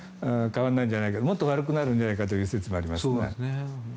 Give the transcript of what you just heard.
変わらないんじゃないかもっと悪くなるんじゃないかという説もありますね。